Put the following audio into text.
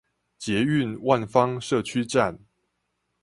捷運萬芳社區站